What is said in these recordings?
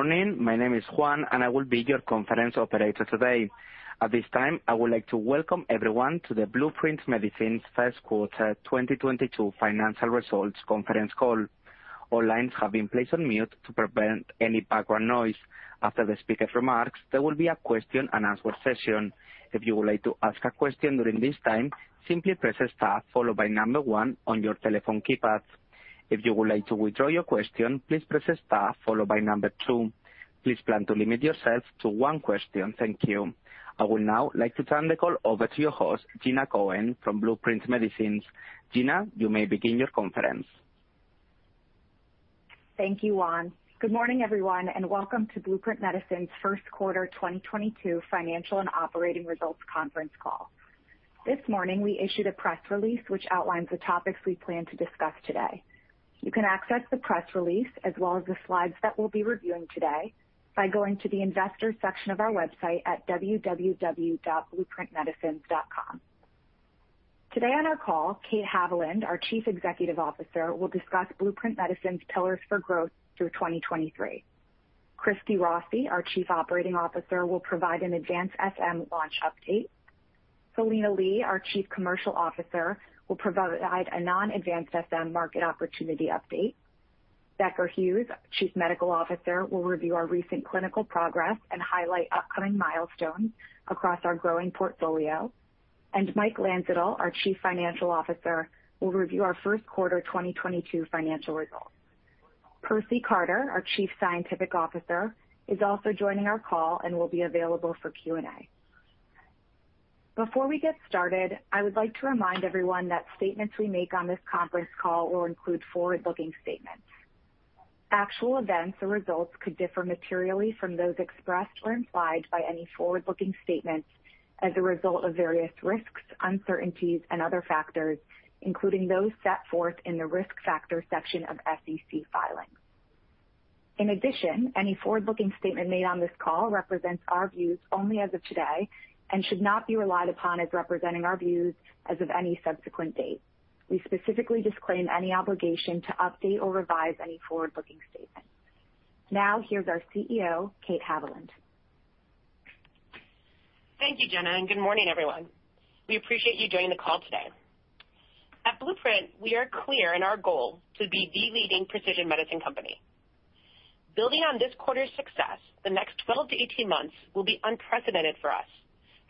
Morning. My name is Juan, and I will be your conference operator today. At this time, I would like to welcome everyone to the Blueprint Medicines first quarter 2022 financial results conference call. All lines have been placed on mute to prevent any background noise. After the speaker's remarks, there will be a question and answer session. If you would like to ask a question during this time, simply press star followed by 1 on your telephone keypad. If you would like to withdraw your question, please press star followed by 2. Please plan to limit yourself to one question. Thank you. I would now like to turn the call over to your host, Jenna Cohen from Blueprint Medicines. Jenna, you may begin your conference. Thank you, Juan. Good morning, everyone, and welcome to Blueprint Medicines first quarter 2022 financial and operating results conference call. This morning, we issued a press release which outlines the topics we plan to discuss today. You can access the press release as well as the slides that we'll be reviewing today by going to the investor section of our website at www.blueprintmedicines.com. Today on our call, Kate Haviland, our Chief Executive Officer, will discuss Blueprint Medicines' pillars for growth through 2023. Christi Rossi, our Chief Operating Officer, will provide an advanced SM launch update. Philina Lee, our Chief Commercial Officer, will provide a non-advanced SM market opportunity update. Becker Hewes, Chief Medical Officer, will review our recent clinical progress and highlight upcoming milestones across our growing portfolio. Michael Landsittel, our Chief Financial Officer, will review our first quarter 2022 financial results. Fouad Namouni, our Chief Scientific Officer, is also joining our call and will be available for Q&A. Before we get started, I would like to remind everyone that statements we make on this conference call will include forward-looking statements. Actual events or results could differ materially from those expressed or implied by any forward-looking statements as a result of various risks, uncertainties, and other factors, including those set forth in the Risk Factors section of SEC filings. In addition, any forward-looking statement made on this call represents our views only as of today and should not be relied upon as representing our views as of any subsequent date. We specifically disclaim any obligation to update or revise any forward-looking statement. Now, here's our CEO, Kate Haviland. Thank you, Jenna, and good morning, everyone. We appreciate you joining the call today. At Blueprint, we are clear in our goal to be the leading precision medicine company. Building on this quarter's success, the next 12-18 months will be unprecedented for us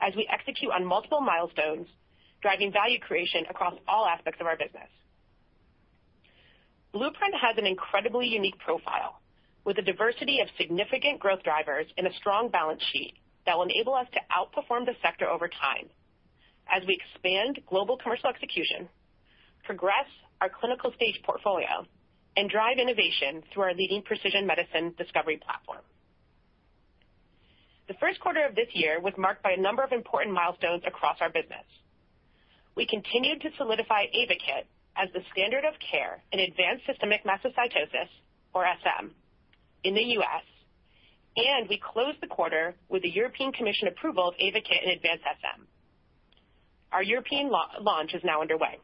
as we execute on multiple milestones, driving value creation across all aspects of our business. Blueprint has an incredibly unique profile with a diversity of significant growth drivers and a strong balance sheet that will enable us to outperform the sector over time as we expand global commercial execution, progress our clinical-stage portfolio, and drive innovation through our leading precision medicine discovery platform. The first quarter of this year was marked by a number of important milestones across our business. We continued to solidify AYVAKIT as the standard of care in advanced systemic mastocytosis, or SM, in the U.S., and we closed the quarter with the European Commission approval of AYVAKIT in advanced SM. Our European launch is now underway.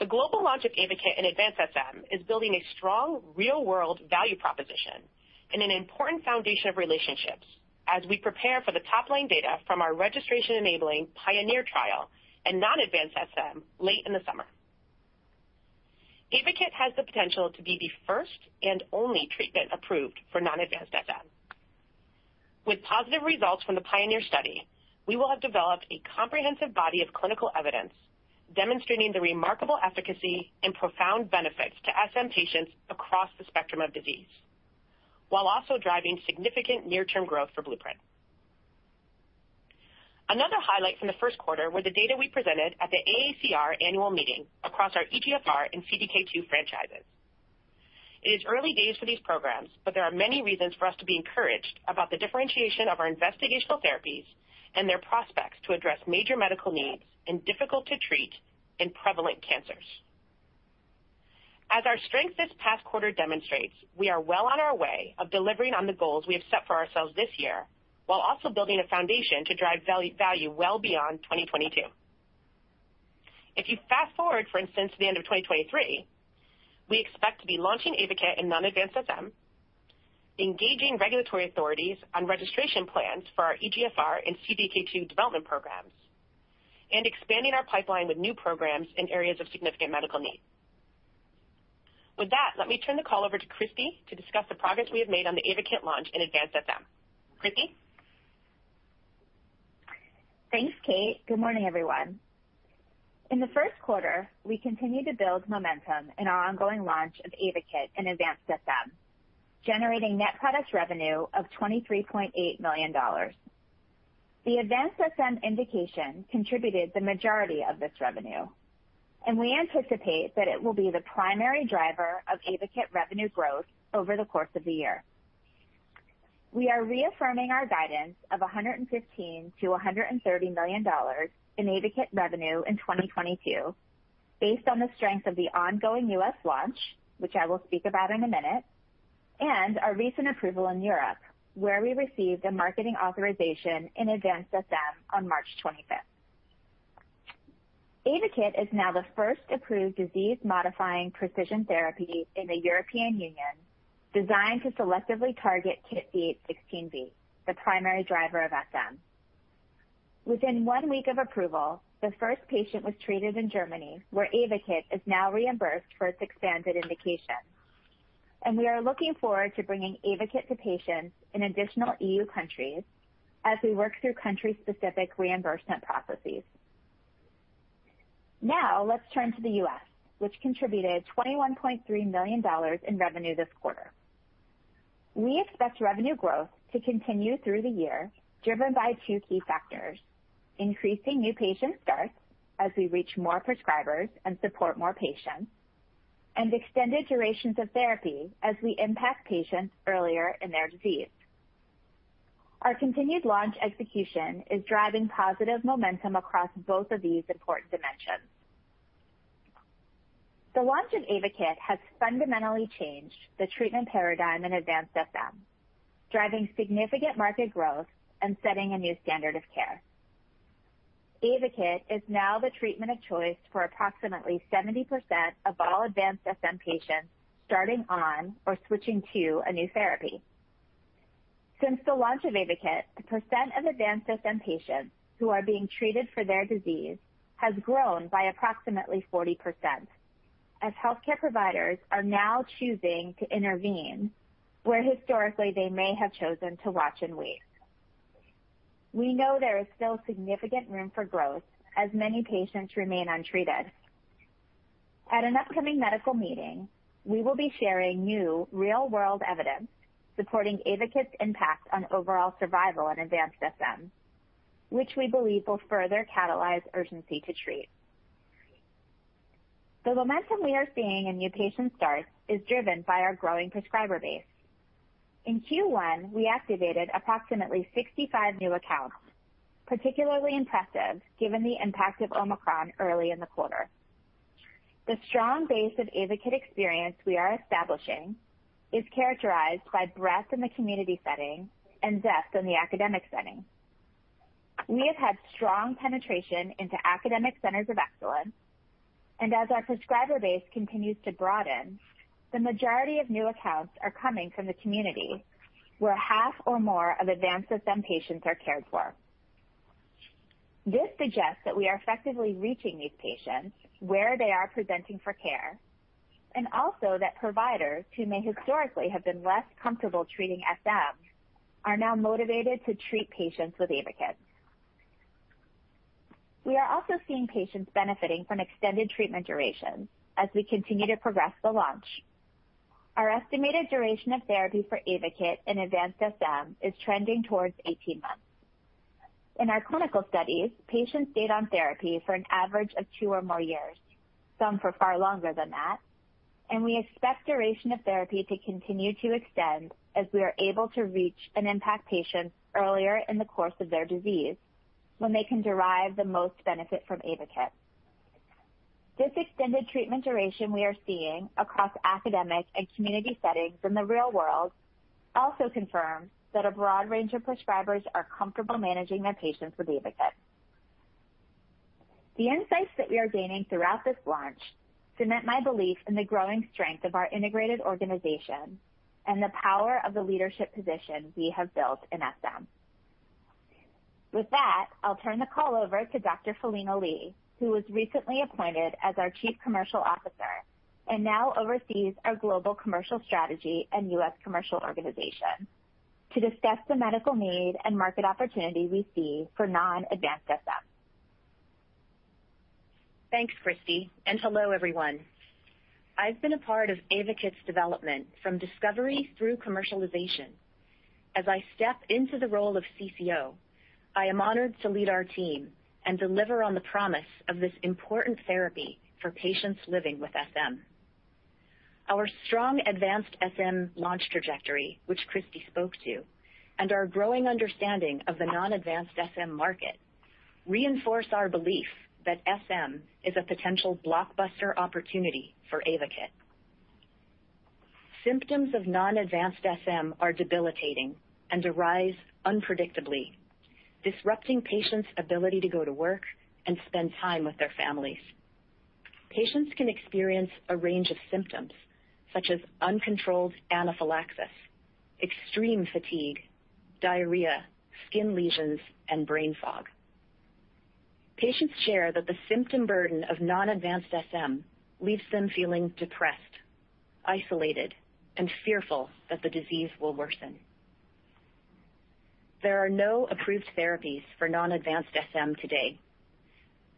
The global launch of AYVAKIT in advanced SM is building a strong real-world value proposition and an important foundation of relationships as we prepare for the top-line data from our registration-enabling PIONEER trial in non-advanced SM late in the summer. AYVAKIT has the potential to be the first and only treatment approved for non-advanced SM. With positive results from the PIONEER study, we will have developed a comprehensive body of clinical evidence demonstrating the remarkable efficacy and profound benefits to SM patients across the spectrum of disease while also driving significant near-term growth for Blueprint. Another highlight from the first quarter were the data we presented at the AACR annual meeting across our EGFR and CDK2 franchises. It is early days for these programs, but there are many reasons for us to be encouraged about the differentiation of our investigational therapies and their prospects to address major medical needs in difficult-to-treat and prevalent cancers. As our strength this past quarter demonstrates, we are well on our way of delivering on the goals we have set for ourselves this year, while also building a foundation to drive value well beyond 2022. If you fast-forward, for instance, to the end of 2023, we expect to be launching AYVAKIT in non-advanced SM, engaging regulatory authorities on registration plans for our EGFR and CDK2 development programs, and expanding our pipeline with new programs in areas of significant medical need. With that, let me turn the call over to Christi to discuss the progress we have made on the AYVAKIT launch in advanced SM. Christi? Thanks, Kate. Good morning, everyone. In the first quarter, we continued to build momentum in our ongoing launch of AYVAKIT in advanced SM, generating net product revenue of $23.8 million. The advanced SM indication contributed the majority of this revenue, and we anticipate that it will be the primary driver of AYVAKIT revenue growth over the course of the year. We are reaffirming our guidance of $115 million-$130 million in AYVAKIT revenue in 2022 based on the strength of the ongoing US launch, which I will speak about in a minute, and our recent approval in Europe, where we received a marketing authorization in advanced SM on March twenty-fifth. AYVAKIT is now the first approved disease-modifying precision therapy in the European Union designed to selectively target KIT D816V, the primary driver of SM. Within one week of approval, the first patient was treated in Germany, where AYVAKIT is now reimbursed for its expanded indication. We are looking forward to bringing AYVAKIT to patients in additional EU countries as we work through country-specific reimbursement processes. Now let's turn to the U.S., which contributed $21.3 million in revenue this quarter. We expect revenue growth to continue through the year, driven by two key factors, increasing new patient starts as we reach more prescribers and support more patients, and extended durations of therapy as we impact patients earlier in their disease. Our continued launch execution is driving positive momentum across both of these important dimensions. The launch of AYVAKIT has fundamentally changed the treatment paradigm in advanced SM, driving significant market growth and setting a new standard of care. AYVAKIT is now the treatment of choice for approximately 70% of all advanced SM patients starting on or switching to a new therapy. Since the launch of AYVAKIT, the percent of advanced SM patients who are being treated for their disease has grown by approximately 40%, as healthcare providers are now choosing to intervene, where historically they may have chosen to watch and wait. We know there is still significant room for growth as many patients remain untreated. At an upcoming medical meeting, we will be sharing new real-world evidence supporting AYVAKIT's impact on overall survival in advanced SM, which we believe will further catalyze urgency to treat. The momentum we are seeing in new patient starts is driven by our growing prescriber base. In Q1, we activated approximately 65 new accounts, particularly impressive given the impact of Omicron early in the quarter. The strong base of AYVAKIT experience we are establishing is characterized by breadth in the community setting and depth in the academic setting. We have had strong penetration into academic centers of excellence, and as our prescriber base continues to broaden, the majority of new accounts are coming from the community where half or more of advanced SM patients are cared for. This suggests that we are effectively reaching these patients where they are presenting for care, and also that providers who may historically have been less comfortable treating SM are now motivated to treat patients with AYVAKIT. We are also seeing patients benefiting from extended treatment durations as we continue to progress the launch. Our estimated duration of therapy for AYVAKIT in advanced SM is trending towards 18 months. In our clinical studies, patients stayed on therapy for an average of 2 or more years, some for far longer than that, and we expect duration of therapy to continue to extend as we are able to reach and impact patients earlier in the course of their disease when they can derive the most benefit from AYVAKIT. This extended treatment duration we are seeing across academic and community settings in the real world also confirms that a broad range of prescribers are comfortable managing their patients with AYVAKIT. The insights that we are gaining throughout this launch cement my belief in the growing strength of our integrated organization and the power of the leadership position we have built in SM. With that, I'll turn the call over to Dr. Philina Lee, who was recently appointed as our Chief Commercial Officer and now oversees our global commercial strategy and U.S. commercial organization to discuss the medical need and market opportunity we see for non-advanced SM. Thanks, Christi, and hello, everyone. I've been a part of AYVAKIT's development from discovery through commercialization. As I step into the role of CCO, I am honored to lead our team and deliver on the promise of this important therapy for patients living with SM. Our strong advanced SM launch trajectory, which Christi spoke to, and our growing understanding of the non-advanced SM market reinforce our belief that SM is a potential blockbuster opportunity for AYVAKIT. Symptoms of non-advanced SM are debilitating and arise unpredictably, disrupting patients' ability to go to work and spend time with their families. Patients can experience a range of symptoms such as uncontrolled anaphylaxis, extreme fatigue, diarrhea, skin lesions, and brain fog. Patients share that the symptom burden of non-advanced SM leaves them feeling depressed, isolated, and fearful that the disease will worsen. There are no approved therapies for non-advanced SM today.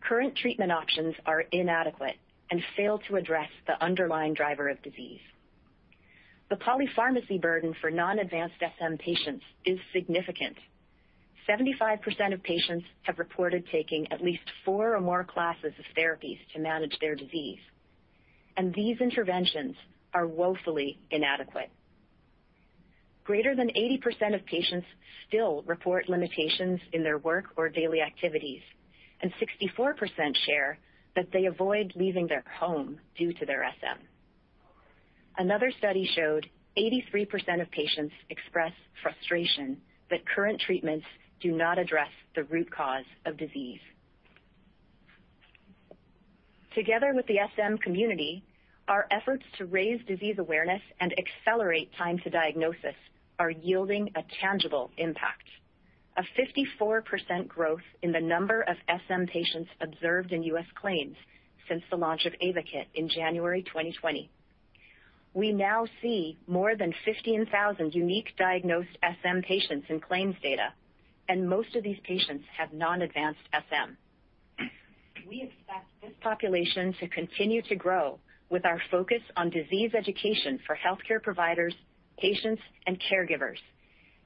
Current treatment options are inadequate and fail to address the underlying driver of disease. The polypharmacy burden for non-advanced SM patients is significant. 75% of patients have reported taking at least four or more classes of therapies to manage their disease, and these interventions are woefully inadequate. Greater than 80% of patients still report limitations in their work or daily activities, and 64% share that they avoid leaving their home due to their SM. Another study showed 83% of patients express frustration that current treatments do not address the root cause of disease. Together with the SM community, our efforts to raise disease awareness and accelerate time to diagnosis are yielding a tangible impact. A 54% growth in the number of SM patients observed in U.S. claims since the launch of AYVAKIT in January 2020. We now see more than 15,000 unique diagnosed SM patients in claims data, and most of these patients have non-advanced SM. We expect this population to continue to grow with our focus on disease education for healthcare providers, patients and caregivers,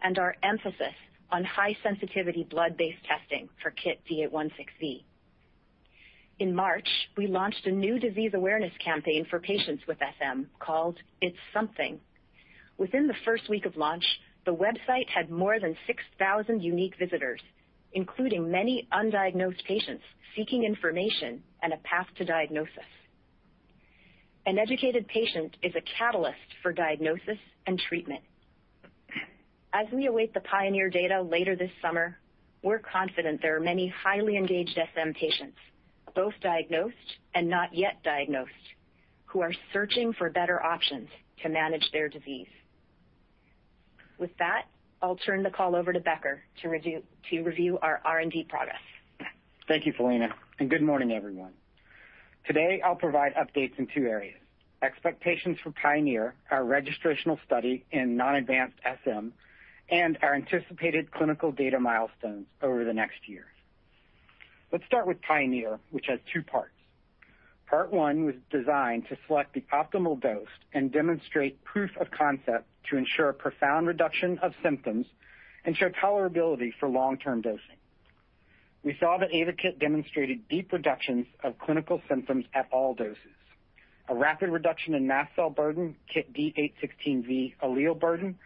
and our emphasis on high-sensitivity blood-based testing for KIT D816V. In March, we launched a new disease awareness campaign for patients with SM called It's SM-ething. Within the first week of launch, the website had more than 6,000 unique visitors, including many undiagnosed patients seeking information and a path to diagnosis. An educated patient is a catalyst for diagnosis and treatment. As we await the PIONEER data later this summer, we're confident there are many highly engaged SM patients, both diagnosed and not yet diagnosed, who are searching for better options to manage their disease. With that, I'll turn the call over to Becker to review our R&D progress. Thank you, Philina, and good morning, everyone. Today, I'll provide updates in two areas, expectations for PIONEER, our registrational study in non-advanced SM, and our anticipated clinical data milestones over the next year. Let's start with PIONEER, which has two parts. Part one was designed to select the optimal dose and demonstrate proof of concept to ensure a profound reduction of symptoms and show tolerability for long-term dosing. We saw that AYVAKIT demonstrated deep reductions of clinical symptoms at all doses, a rapid reduction in mast cell burden, KIT D816V allele burden,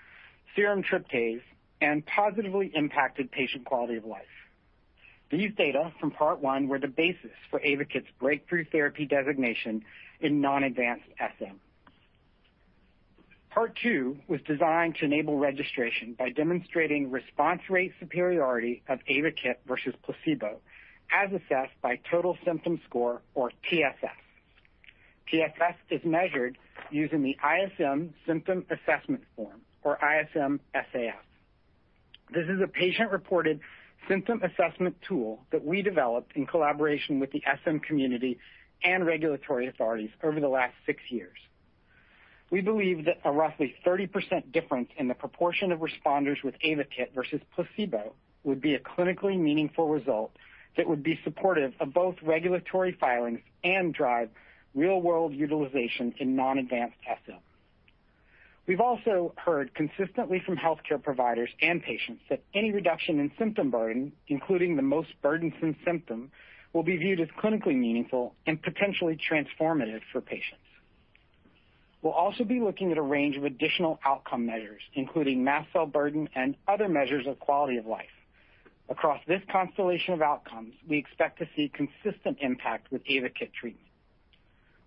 serum tryptase, and positively impacted patient quality of life. These data from part one were the basis for AYVAKIT's breakthrough therapy designation in non-advanced SM. Part two was designed to enable registration by demonstrating response rate superiority of AYVAKIT versus placebo, as assessed by Total Symptom Score or TSS. TSS is measured using the ISM Symptom Assessment Form or ISM SAF. This is a patient-reported symptom assessment tool that we developed in collaboration with the SM community and regulatory authorities over the last six years. We believe that a roughly 30% difference in the proportion of responders with AYVAKIT versus placebo would be a clinically meaningful result that would be supportive of both regulatory filings and drive real-world utilization in non-advanced SM. We've also heard consistently from healthcare providers and patients that any reduction in symptom burden, including the most burdensome symptom, will be viewed as clinically meaningful and potentially transformative for patients. We'll also be looking at a range of additional outcome measures, including mast cell burden and other measures of quality of life. Across this constellation of outcomes, we expect to see consistent impact with AYVAKIT treatment.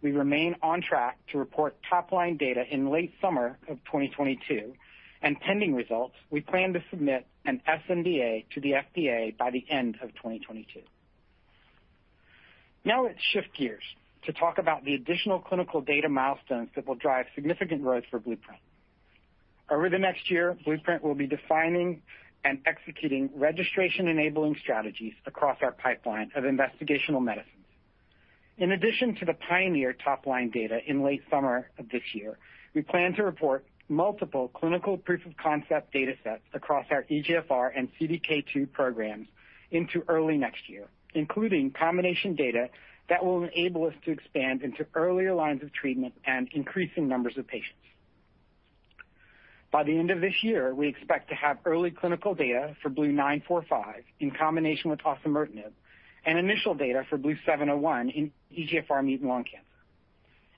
We remain on track to report top-line data in late summer of 2022, and pending results, we plan to submit an sNDA to the FDA by the end of 2022. Now let's shift gears to talk about the additional clinical data milestones that will drive significant growth for Blueprint. Over the next year, Blueprint will be defining and executing registration-enabling strategies across our pipeline of investigational medicines. In addition to the PIONEER top-line data in late summer of this year, we plan to report multiple clinical proof-of-concept data sets across our EGFR and CDK2 programs into early next year, including combination data that will enable us to expand into earlier lines of treatment and increasing numbers of patients. By the end of this year, we expect to have early clinical data for BLU-945 in combination with osimertinib and initial data for BLU-701 in EGFR mutant lung cancer.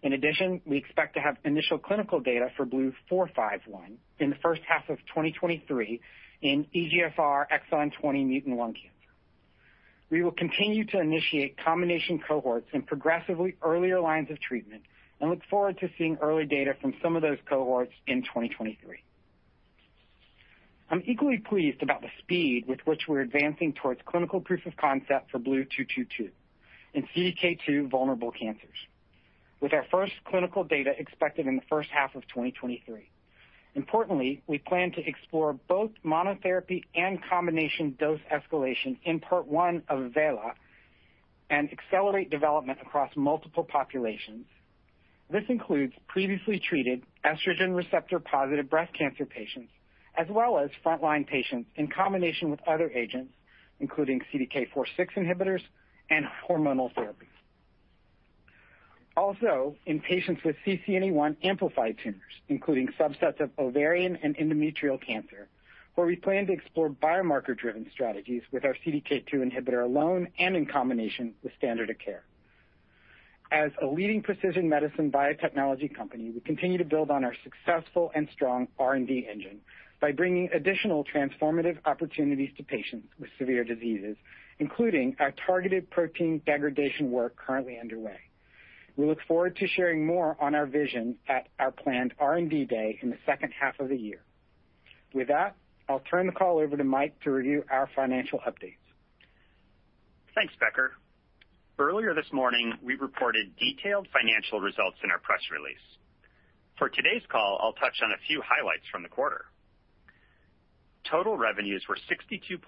In addition, we expect to have initial clinical data for BLU-451 in the first half of 2023 in EGFR exon 20 mutant lung cancer. We will continue to initiate combination cohorts in progressively earlier lines of treatment and look forward to seeing early data from some of those cohorts in 2023. I'm equally pleased about the speed with which we're advancing towards clinical proof of concept for BLU-222 in CDK2-vulnerable cancers. With our first clinical data expected in the first half of 2023. Importantly, we plan to explore both monotherapy and combination dose escalation in part one of VELLA and accelerate development across multiple populations. This includes previously treated estrogen receptor-positive breast cancer patients, as well as frontline patients in combination with other agents, including CDK4/6 inhibitors and hormonal therapy. Also, in patients with CCNE1-amplified tumors, including subsets of ovarian and endometrial cancer, where we plan to explore biomarker-driven strategies with our CDK2 inhibitor alone and in combination with standard of care. As a leading precision medicine biotechnology company, we continue to build on our successful and strong R&D engine by bringing additional transformative opportunities to patients with severe diseases, including our targeted protein degradation work currently underway. We look forward to sharing more on our vision at our planned R&D Day in the second half of the year. With that, I'll turn the call over to Mike to review our financial updates. Thanks, Becker. Earlier this morning, we reported detailed financial results in our press release. For today's call, I'll touch on a few highlights from the quarter. Total revenues were $62.7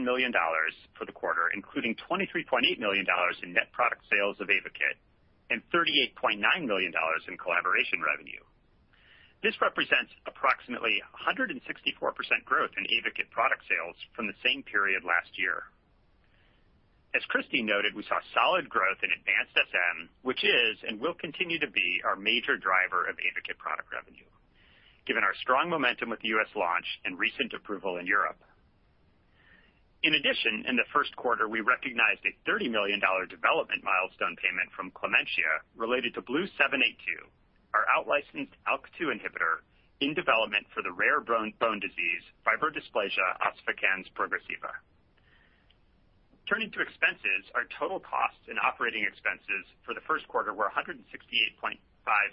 million for the quarter, including $23.8 million in net product sales of AYVAKIT and $38.9 million in collaboration revenue. This represents approximately 164% growth in AYVAKIT product sales from the same period last year. As Christi noted, we saw solid growth in advanced SM, which is and will continue to be our major driver of AYVAKIT product revenue, given our strong momentum with the U.S. launch and recent approval in Europe. In addition, in the first quarter, we recognized a $30 million development milestone payment from Ipsen related to BLU-782, our out-licensed ALK-2 inhibitor in development for the rare bone disease, Fibrodysplasia Ossificans Progressiva. Turning to expenses, our total costs and operating expenses for the first quarter were $168.5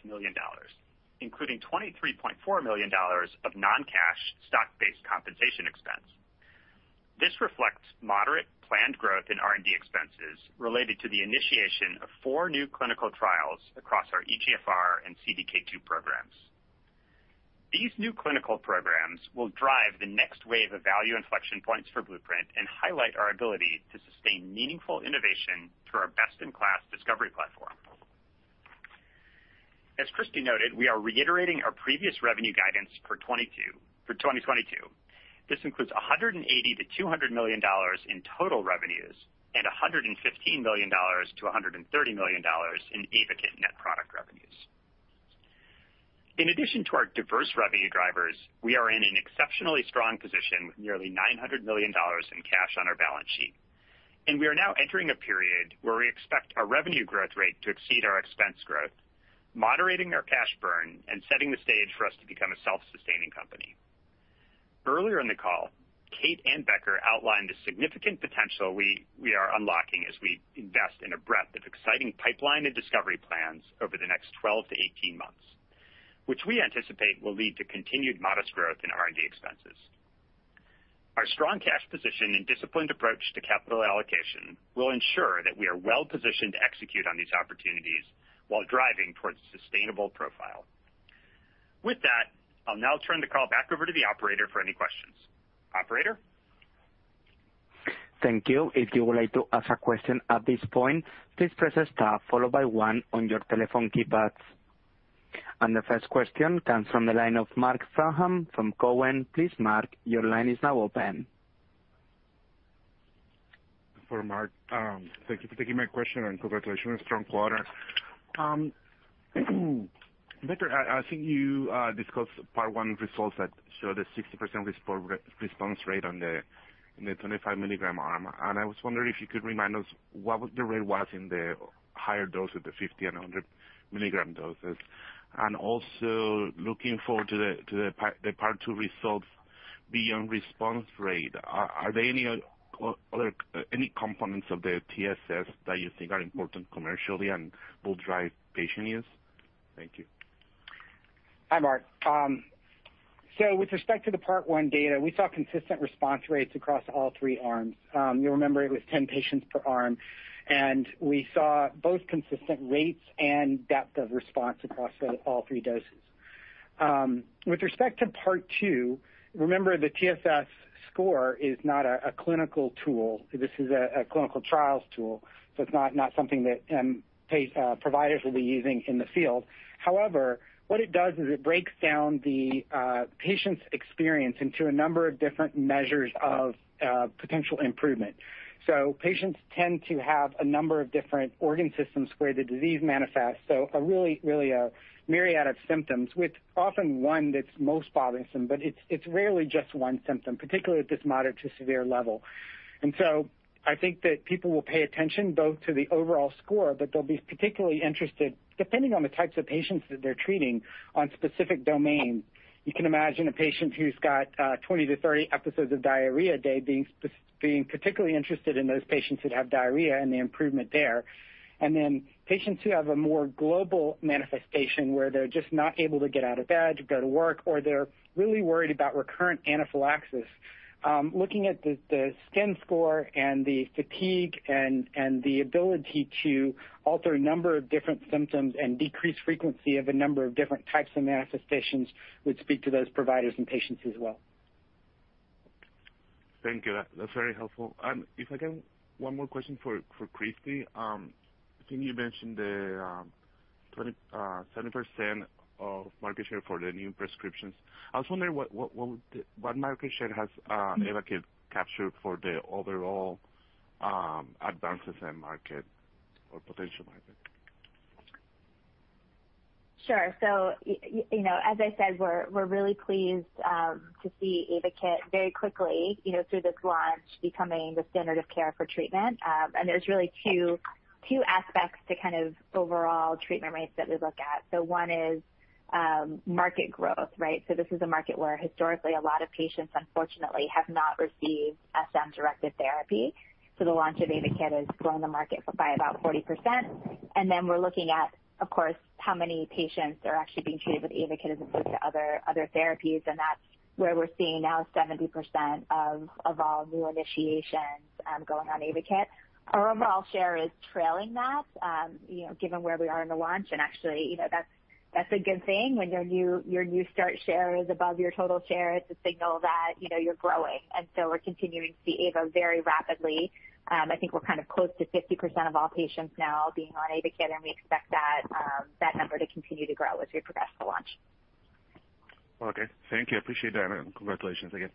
million, including $23.4 million of non-cash stock-based compensation expense. This reflects moderate planned growth in R&D expenses related to the initiation of four new clinical trials across our EGFR and CDK2 programs. These new clinical programs will drive the next wave of value inflection points for Blueprint and highlight our ability to sustain meaningful innovation through our best-in-class discovery platform. As Christi noted, we are reiterating our previous revenue guidance for 2022. This includes $180-$200 million in total revenues and $115-$130 million in AYVAKIT net product revenues. In addition to our diverse revenue drivers, we are in an exceptionally strong position with nearly $900 million in cash on our balance sheet. We are now entering a period where we expect our revenue growth rate to exceed our expense growth, moderating our cash burn and setting the stage for us to become a self-sustaining company. Earlier in the call, Kate and Becker outlined the significant potential we are unlocking as we invest in a breadth of exciting pipeline and discovery plans over the next 12-18 months, which we anticipate will lead to continued modest growth in R&D expenses. Our strong cash position and disciplined approach to capital allocation will ensure that we are well positioned to execute on these opportunities while driving towards a sustainable profile. With that, I'll now turn the call back over to the operator for any questions. Operator? Thank you. If you would like to ask a question at this point, please press star followed by one on your telephone keypads. The first question comes from the line of Marc Frahm from TD Cowen. Please, Marc, your line is now open. For Marc, thank you for taking my question, and congratulations on a strong quarter. Becker, I think you discussed Part One results that showed a 60% response rate in the 25 milligram arm. I was wondering if you could remind us what the rate was in the higher dose at the 50 and 100 milligram doses. Also looking forward to the Part Two results beyond response rate, are there any other components of the TSS that you think are important commercially and will drive patient use? Thank you. Hi, Marc. With respect to the Part One data, we saw consistent response rates across all three arms. You'll remember it was 10 patients per arm, and we saw both consistent rates and depth of response across all three doses. With respect to Part Two, remember the TSS score is not a clinical tool. This is a clinical trials tool, so it's not something that providers will be using in the field. However, what it does is it breaks down the patient's experience into a number of different measures of potential improvement. Patients tend to have a number of different organ systems where the disease manifests, so a really myriad of symptoms with often one that's most bothersome, but it's rarely just one symptom, particularly at this moderate to severe level. I think that people will pay attention both to the overall score, but they'll be particularly interested, depending on the types of patients that they're treating on specific domain. You can imagine a patient who's got 20-30 episodes of diarrhea a day being particularly interested in those patients that have diarrhea and the improvement there. Patients who have a more global manifestation where they're just not able to get out of bed to go to work, or they're really worried about recurrent anaphylaxis. Looking at the skin score and the fatigue and the ability to alter a number of different symptoms and decrease frequency of a number of different types of manifestations would speak to those providers and patients as well. Thank you. That's very helpful. If I can, one more question for Christi. I think you mentioned the 27% of market share for the new prescriptions. I was wondering what market share has AYVAKIT captured for the overall advanced SM market or potential market? Sure. As I said, we're really pleased to see AYVAKIT very quickly, through this launch, becoming the standard of care for treatment. There's really two. Two aspects to kind of overall treatment rates that we look at. One is market growth, right? This is a market where historically a lot of patients, unfortunately, have not received SM-directed therapy. The launch of AYVAKIT has grown the market by about 40%. Then we're looking at, of course, how many patients are actually being treated with AYVAKIT as opposed to other therapies. That's where we're seeing now 70% of all new initiations going on AYVAKIT. Our overall share is trailing that, given where we are in the launch and actually, you know, that's a good thing when your new start share is above your total share. It's a signal that, you're growing. We're continuing to see AYVAKIT very rapidly. I think we're kind of close to 50% of all patients now being on AYVAKIT, and we expect that number to continue to grow as we progress the launch. Okay. Thank you. Appreciate that. Congratulations again.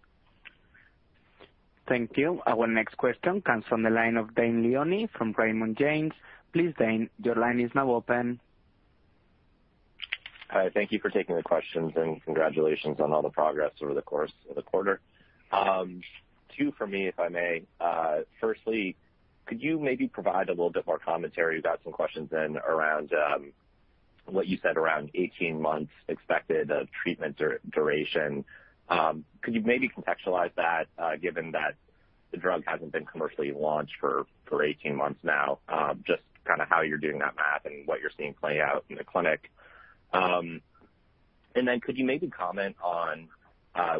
Thank you. Our next question comes from the line of Dane Leone from Raymond James. Please, Dane, your line is now open. Hi, thank you for taking the questions and congratulations on all the progress over the course of the quarter. Two for me, if I may. Firstly, could you maybe provide a little bit more commentary about some questions around what you said around 18 months expected of treatment duration? Could you maybe contextualize that, given that the drug hasn't been commercially launched for 18 months now, just kind of how you're doing that math and what you're seeing play out in the clinic. Could you maybe comment on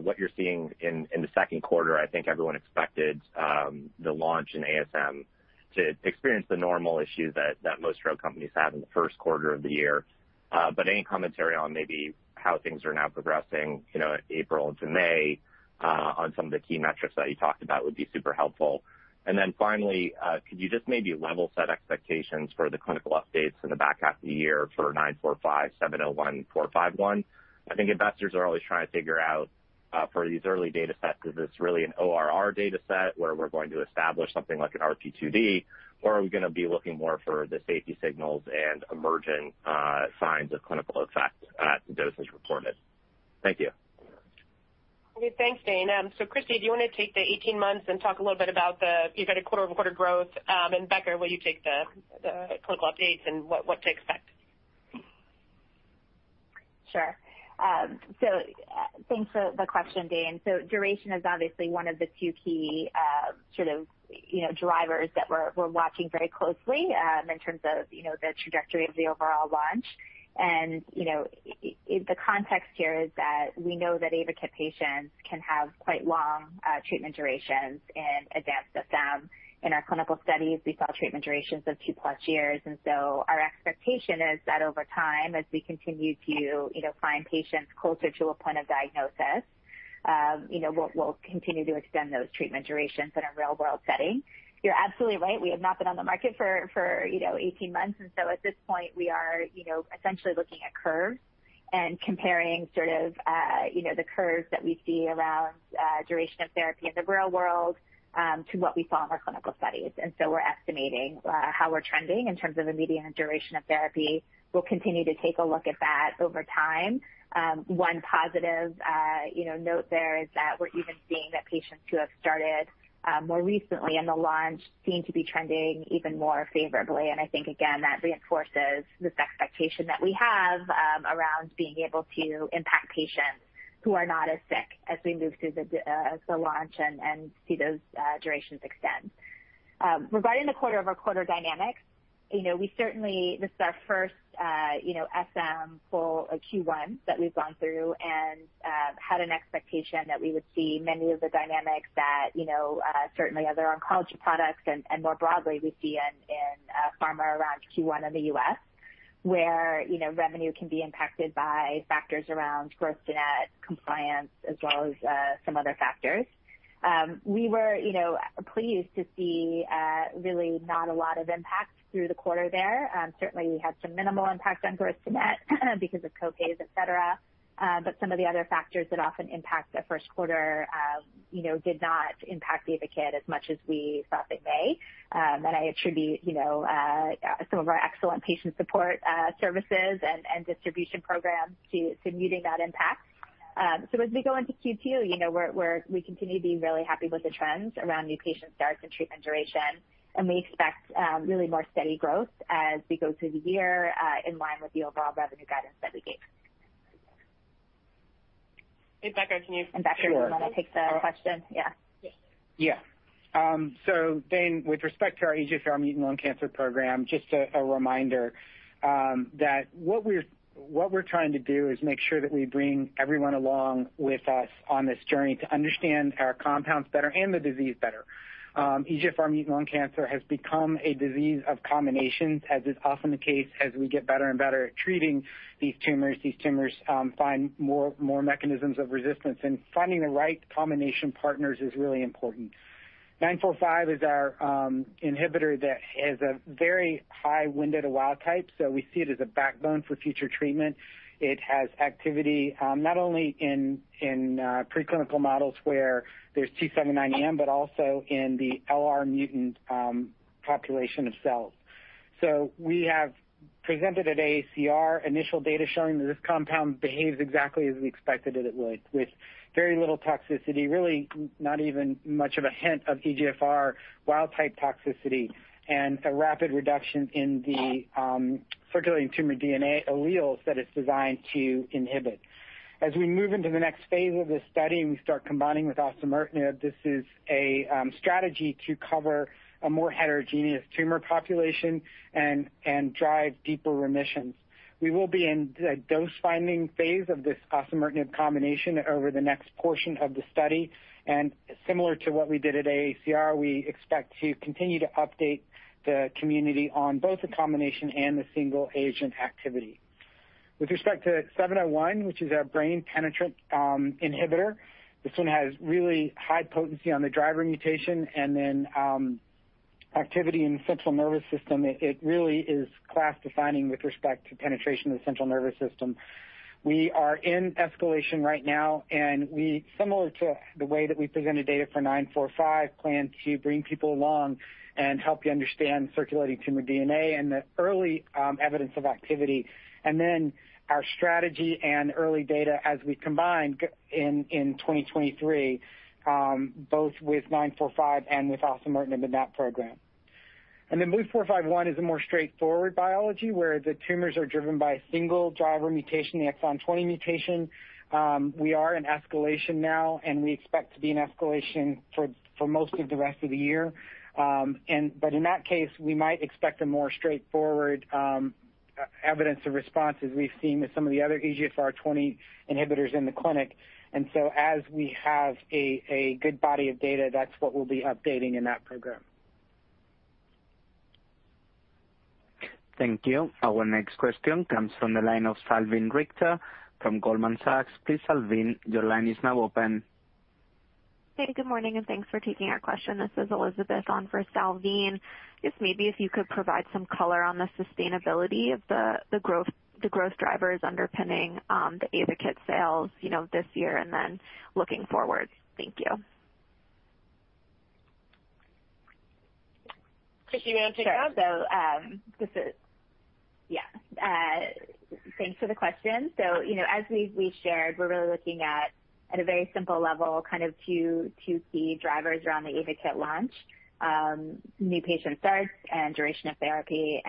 what you're seeing in the second quarter? I think everyone expected the launch in ASM to experience the normal issues that most drug companies have in the first quarter of the year. Any commentary on maybe how things are now progressing, April into May, on some of the key metrics that you talked about would be super helpful. Finally, could you just maybe level set expectations for the clinical updates in the back half of the year for 945, 701, 451? I think investors are always trying to figure out, for these early data sets, is this really an ORR data set where we're going to establish something like an RP2D or are we going to be looking more for the safety signals and emerging signs of clinical effect at the doses reported? Thank you. Okay. Thanks, Dane. Christi, do you want to take the 18 months and talk a little bit about the, you've had a quarter-over-quarter growth, and Becker, will you take the clinical updates and what to expect? Sure. Thanks for the question, Dane. Duration is obviously one of the two key, sort of, you know, drivers that we're watching very closely, in terms of, you know, the trajectory of the overall launch. You know, the context here is that we know that AYVAKIT patients can have quite long, treatment durations in advanced SM. In our clinical studies, we saw treatment durations of 2+ years. Our expectation is that over time, as we continue to, find patients closer to a point of diagnosis, you know, we'll continue to extend those treatment durations in a real-world setting. You're absolutely right. We have not been on the market for, you know, 18 months. At this point, we are essentially looking at curves and comparing sort of, the curves that we see around, duration of therapy in the real world, to what we saw in our clinical studies. We're estimating how we're trending in terms of the median duration of therapy. We'll continue to take a look at that over time. One positive, note there is that we're even seeing that patients who have started more recently in the launch seem to be trending even more favorably. I think again, that reinforces this expectation that we have around being able to impact patients who are not as sick as we move through the launch and see those durations extend. Regarding the quarter-over-quarter dynamics, we certainly, this is our first, you know, SM full Q1 that we've gone through and, had an expectation that we would see many of the dynamics that, you know, certainly other oncology products and, more broadly we see in, pharma around Q1 in the U.S., where, revenue can be impacted by factors around gross net compliance as well as, some other factors. We were, you know, pleased to see, really not a lot of impact through the quarter there. Certainly we had some minimal impact on gross net because of co-pays, et cetera. Some of the other factors that often impact a first quarter, did not impact AYVAKIT as much as we thought they may. I attribute, you know, some of our excellent patient support services and distribution programs to muting that impact. As we go into Q2, you know, we continue to be really happy with the trends around new patient starts and treatment duration. We expect really more steady growth as we go through the year in line with the overall revenue guidance that we gave. Becker, can you? Becker, do you want to take the question? Yeah. Sure. Yeah. Yeah. Dane, with respect to our EGFR mutant lung cancer program, just a reminder that what we're trying to do is make sure that we bring everyone along with us on this journey to understand our compounds better and the disease better. EGFR mutant lung cancer has become a disease of combinations, as is often the case, as we get better and better at treating these tumors, these tumors find more mechanisms of resistance. Finding the right combination partners is really important. BLU-945 is our inhibitor that has a very high window to wild type. We see it as a backbone for future treatment. It has activity not only in preclinical models where there's T790M, but also in the L858R mutant population of cells. We have- Presented at ACR, initial data showing that this compound behaves exactly as we expected it would, with very little toxicity, really not even much of a hint of EGFR wild-type toxicity, and a rapid reduction in the circulating tumor DNA alleles that it's designed to inhibit. As we move into the next phase of this study, and we start combining with osimertinib, this is a strategy to cover a more heterogeneous tumor population and drive deeper remissions. We will be in dose-finding phase of this osimertinib combination over the next portion of the study, and similar to what we did at ACR, we expect to continue to update the community on both the combination and the single agent activity. With respect to BLU-701, which is our brain penetrant inhibitor, this one has really high potency on the driver mutation and then activity in the central nervous system. It really is class defining with respect to penetration of the central nervous system. We are in escalation right now, and we, similar to the way that we presented data for BLU-945, plan to bring people along and help you understand circulating tumor DNA and the early evidence of activity. Our strategy and early data as we combine BLU-701 in 2023, both with BLU-945 and with osimertinib in that program. BLU-451 is a more straightforward biology, where the tumors are driven by a single driver mutation, the exon 20 mutation. We are in escalation now, and we expect to be in escalation for most of the rest of the year. In that case, we might expect a more straightforward evidence of response as we've seen with some of the other EGFR 20 inhibitors in the clinic. As we have a good body of data, that's what we'll be updating in that program. Thank you. Our next question comes from the line of Salveen Richter from Goldman Sachs. Please, Salveen, your line is now open. Hey, good morning, and thanks for taking our question. This is Elizabeth on for Salveen. Just maybe if you could provide some color on the sustainability of the growth drivers underpinning the AYVAKIT sales, this year and then looking forward. Thank you. Christi, do you want to take that? Sure. Thanks for the question. As we've shared, we're really looking at a very simple level, kind of two key drivers around the AYVAKIT launch, new patient starts and duration of therapy.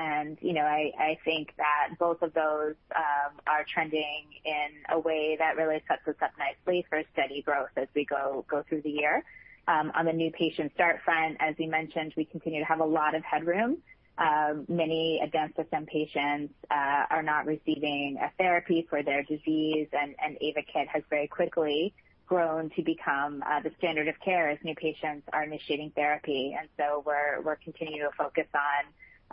You know, I think that both of those are trending in a way that really sets us up nicely for steady growth as we go through the year. On the new patient start front, as you mentioned, we continue to have a lot of headroom. Many advanced SM patients are not receiving a therapy for their disease, and AYVAKIT has very quickly grown to become the standard of care as new patients are initiating therapy. We're continuing to focus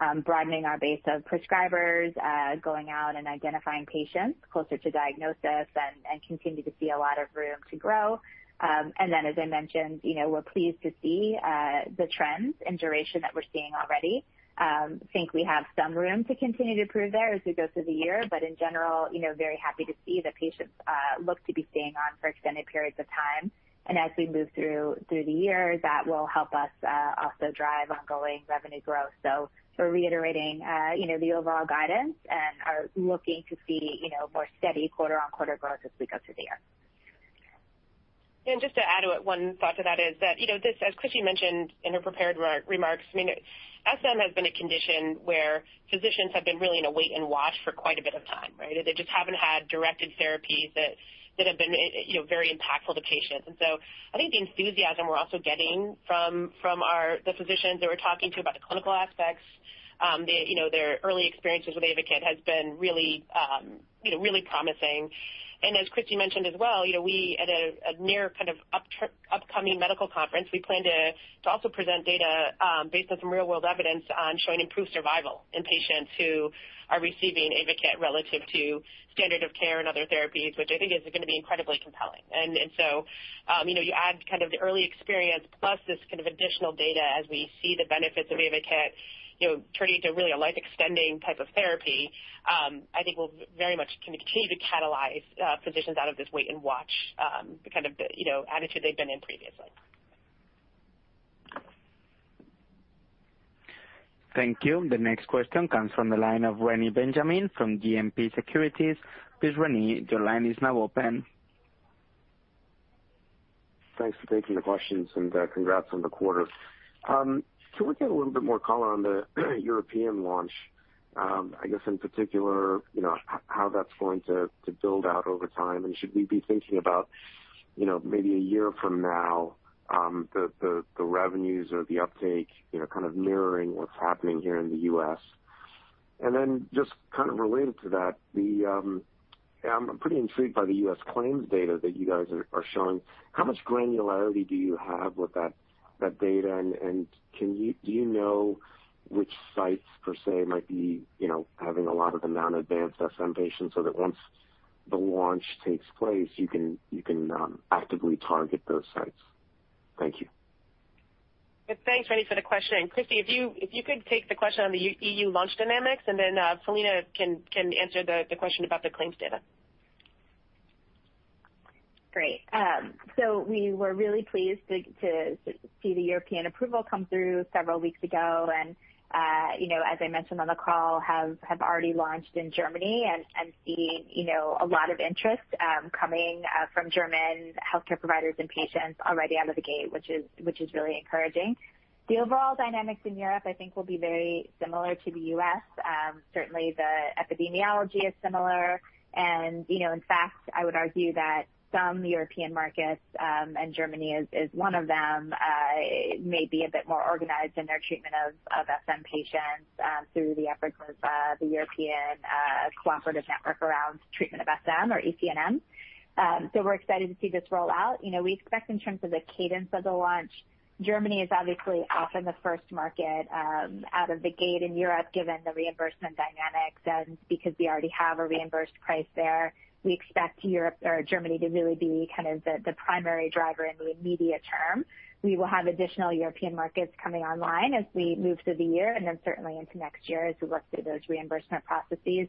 on broadening our base of prescribers, going out and identifying patients closer to diagnosis and continue to see a lot of room to grow. As I mentioned, you know, we're pleased to see the trends and duration that we're seeing already. Think we have some room to continue to improve there as we go through the year, but in general, very happy to see that patients look to be staying on for extended periods of time. As we move through the year, that will help us also drive ongoing revenue growth. We're reiterating, you know, the overall guidance and are looking to see, more steady quarter-on-quarter growth as we go through the year. Just to add to it, one thought to that is that, you know, this, as Christi mentioned in her prepared remarks, I mean, SM has been a condition where physicians have been really in a wait and watch for quite a bit of time, right? They just haven't had directed therapies that have been, you know, very impactful to patients. I think the enthusiasm we're also getting from the physicians that we're talking to about the clinical aspects, they their early experiences with AYVAKIT has been really promising. As Christi mentioned as well, you know, we have an upcoming medical conference, we plan to also present data based on some real-world evidence on showing improved survival in patients who are receiving AYVAKIT relative to standard of care and other therapies, which I think is gonna be incredibly compelling. You know, you add kind of the early experience plus this kind of additional data as we see the benefits of AYVAKIT, turning into really a life-extending type of therapy, I think will very much continue to catalyze physicians out of this wait and watch kind of the attitude they've been in previously. Thank you. The next question comes from the line of Reni Benjamin from JMP Securities. Please Renny, your line is now open. Thanks for taking the questions and congrats on the quarter. Can we get a little bit more color on the European launch? I guess in particular, you know, how that's going to build out over time, and should we be thinking about, you know, maybe a year from now, the revenues or the uptake, kind of mirroring what's happening here in the US? And then just kind of related to that, I'm pretty intrigued by the US claims data that you guys are showing. How much granularity do you have with that data? And do you know which sites, per se, might be, having a lot of the non-advanced SM patients so that once the launch takes place, you can actively target those sites? Thank you. Thanks, Reni, for the question. Christi, if you could take the question on the EU launch dynamics, and then, Philina can answer the question about the claims data. Great. We were really pleased to see the European approval come through several weeks ago. As I mentioned on the call, have already launched in Germany and seeing, you know, a lot of interest coming from German healthcare providers and patients already out of the gate, which is really encouraging. The overall dynamics in Europe, I think will be very similar to the U.S. Certainly, the epidemiology is similar and in fact, I would argue that some European markets and Germany is one of them may be a bit more organized in their treatment of SM patients through the efforts of the European Cooperative Network around treatment of SM or ECNM. We're excited to see this roll out. We expect in terms of the cadence of the launch, Germany is obviously often the first market out of the gate in Europe, given the reimbursement dynamics and because we already have a reimbursed price there. We expect Europe or Germany to really be kind of the primary driver in the immediate term. We will have additional European markets coming online as we move through the year and then certainly into next year as we work through those reimbursement processes.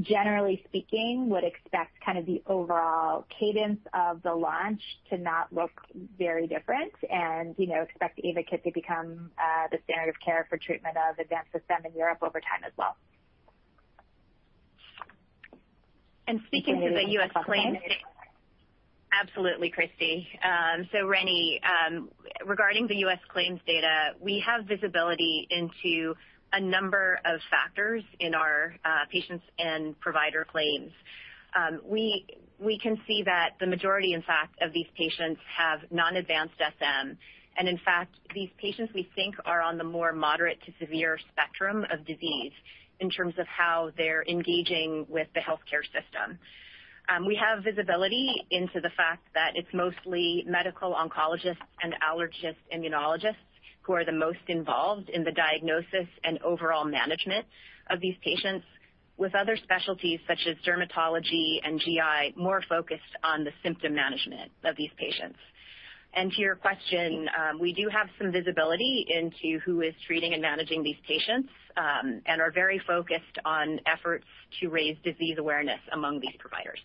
Generally speaking, would expect kind of the overall cadence of the launch to not look very different and, you know, expect AYVAKIT to become the standard of care for treatment of advanced SM in Europe over time as well. Speaking to the U.S. claims. Do you want me to talk to that? Absolutely, Christi. Renny, regarding the U.S. claims data, we have visibility into a number of factors in our patients and provider claims. We can see that the majority, in fact, of these patients have non-advanced SM. In fact, these patients, we think are on the more moderate to severe spectrum of disease in terms of how they're engaging with the healthcare system. We have visibility into the fact that it's mostly medical oncologists and allergists, immunologists who are the most involved in the diagnosis and overall management of these patients with other specialties such as dermatology and GI more focused on the symptom management of these patients. To your question, we do have some visibility into who is treating and managing these patients, and are very focused on efforts to raise disease awareness among these providers.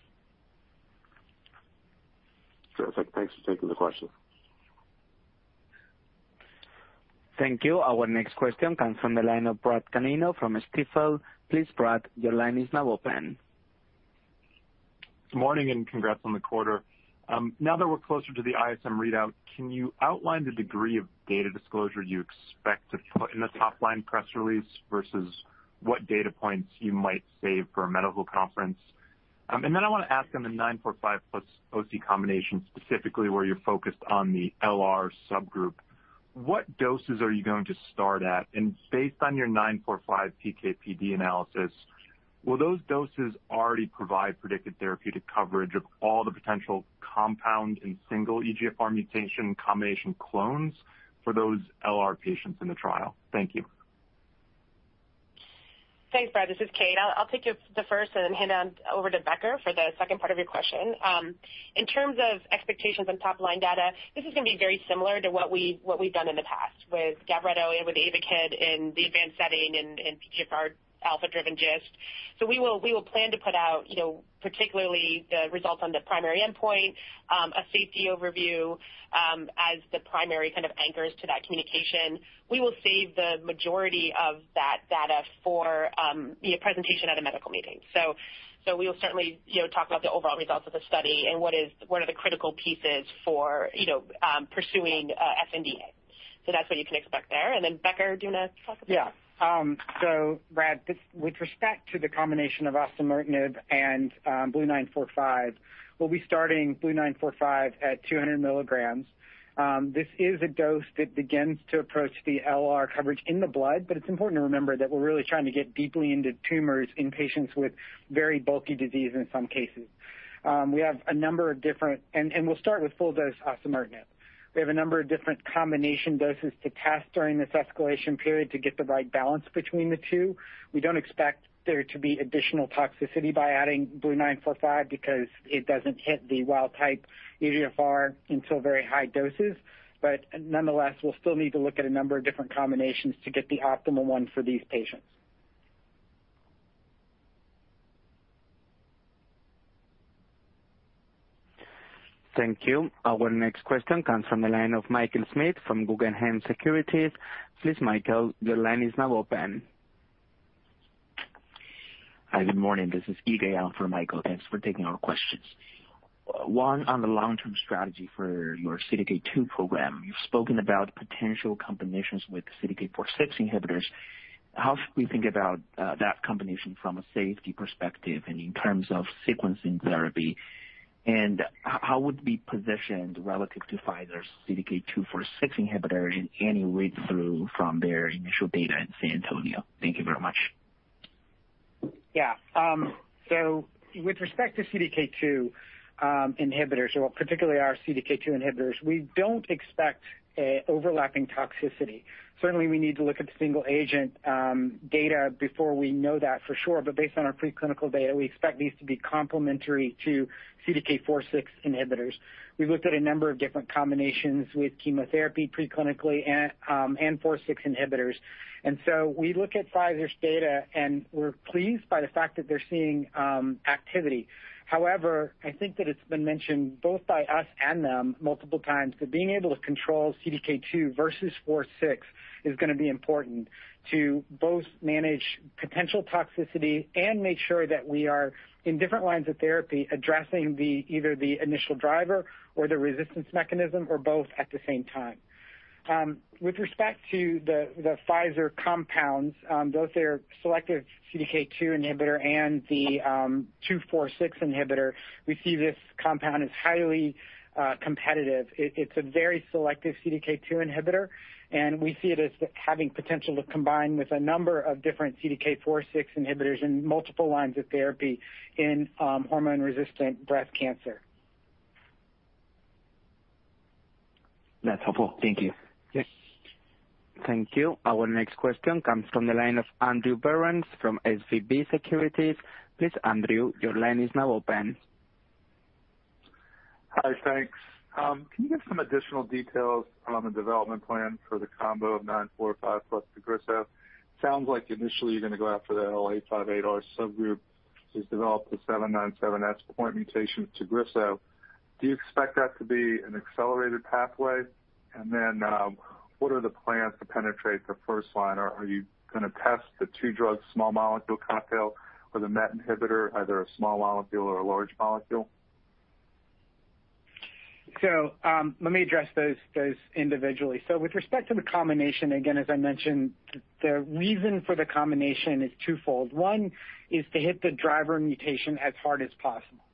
Perfect. Thanks for taking the question. Thank you. Our next question comes from the line of Bradley Canino from Stifel. Please, Brad, your line is now open. Good morning and congrats on the quarter. Now that we're closer to the ISM readout, can you outline the degree of data disclosure you expect to put in the top-line press release versus what data points you might save for a medical conference? I wanna ask on the nine-four-five plus OC combination, specifically where you're focused on the L858R subgroup, what doses are you going to start at? Based on your nine-four-five PK/PD analysis, will those doses already provide predicted therapeutic coverage of all the potential compound and single EGFR mutation combination clones for those L858R patients in the trial? Thank you. Thanks, Brad. This is Kate. I'll take the first and hand over to Becker for the second part of your question. In terms of expectations on top-line data, this is gonna be very similar to what we've done in the past with GAVRETO and with AYVAKIT in the advanced setting and PDGFRA-driven GIST. We will plan to put out, you know, particularly the results on the primary endpoint, a safety overview, as the primary kind of anchors to that communication. We will save the majority of that data for the presentation at a medical meeting. We'll certainly, you know, talk about the overall results of the study and what are the critical pieces for, pursuing sNDA. That's what you can expect there. Becker, do you wanna talk about that? Yeah. Brad, with respect to the combination of osimertinib and BLU-945, we'll be starting BLU-945 at 200 milligrams. This is a dose that begins to approach the L858R coverage in the blood, but it's important to remember that we're really trying to get deeply into tumors in patients with very bulky disease in some cases. We'll start with full dose osimertinib. We have a number of different combination doses to test during this escalation period to get the right balance between the two. We don't expect there to be additional toxicity by adding BLU-945 because it doesn't hit the wild type EGFR until very high doses. Nonetheless, we'll still need to look at a number of different combinations to get the optimal one for these patients. Thank you. Our next question comes from the line of Michael Smith from Guggenheim Securities. Please, Michael, your line is now open. Hi, good morning. This is Yigal on for Michael. Thanks for taking our questions. One on the long-term strategy for your CDK2 program. You've spoken about potential combinations with CDK4/6 inhibitors. How should we think about that combination from a safety perspective and in terms of sequencing therapy? How would we positioned relative to Pfizer's CDK2/6 inhibitor in any read-through from their initial data in San Antonio? Thank you very much. Yeah. With respect to CDK2 inhibitors or particularly our CDK2 inhibitors, we don't expect an overlapping toxicity. Certainly, we need to look at the single agent data before we know that for sure, but based on our preclinical data, we expect these to be complementary to CDK4/6 inhibitors. We've looked at a number of different combinations with chemotherapy preclinically and four-six inhibitors. We look at Pfizer's data, and we're pleased by the fact that they're seeing activity. However, I think that it's been mentioned both by us and them multiple times that being able to control CDK2 versus four-six is gonna be important to both manage potential toxicity and make sure that we are in different lines of therapy, addressing either the initial driver or the resistance mechanism, or both at the same time. With respect to the Pfizer compounds, both their selective CDK2 inhibitor and the CDK4/6 inhibitor, we see this compound as highly competitive. It's a very selective CDK2 inhibitor, and we see it as having potential to combine with a number of different CDK4/6 inhibitors in multiple lines of therapy in hormone-resistant breast cancer. That's helpful. Thank you. Yes. Thank you. Our next question comes from the line of Andrew Berens from SVB Securities. Please, Andrew, your line is now open. Hi. Thanks. Can you give some additional details on the development plan for the combo of BLU-945 plus Tagrisso? Sounds like initially you're gonna go after the L858R subgroup who's developed the C797S point mutation to Tagrisso. Do you expect that to be an accelerated pathway? What are the plans to penetrate the first line? Are you gonna test the two drugs small molecule cocktail or the MET inhibitor, either a small molecule or a large molecule? Let me address those individually. With respect to the combination, again, as I mentioned, the reason for the combination is twofold. One is to hit the driver mutation as hard as possible.